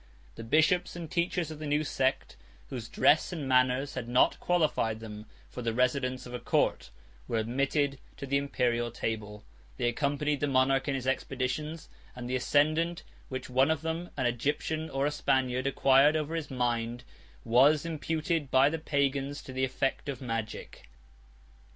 The bishops and teachers of the new sect, whose dress and manners had not qualified them for the residence of a court, were admitted to the Imperial table; they accompanied the monarch in his expeditions; and the ascendant which one of them, an Egyptian or a Spaniard, 55 acquired over his mind, was imputed by the Pagans to the effect of magic.